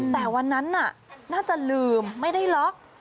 แต่วันนั้นน่ะน่าจะลืมไม่ได้ล็อก